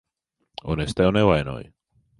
Un es tevi nevainoju.